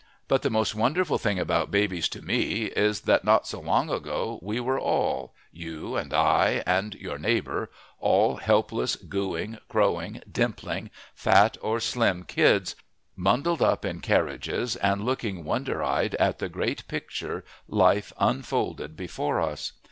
But the most wonderful thing about babies to me is that not so long ago we were all, you and I and your neighbor, all helpless, gooing, crowing, dimpling, fat or slim kids, bundled up in carriages and looking wonder eyed at the great picture life unfolded before us.